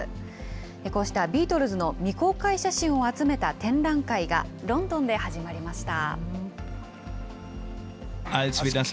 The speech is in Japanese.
こうしたビートルズの未公開写真を集めた展覧会がロンドンで始まりました。